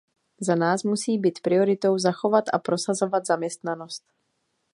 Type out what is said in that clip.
Za nás musí být prioritou zachovat a prosazovat zaměstnanost.